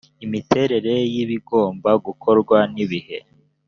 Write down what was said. imiterere y ibigomba gukorwa nibihe